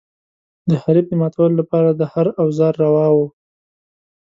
د حریف د ماتولو لپاره هر اوزار روا و.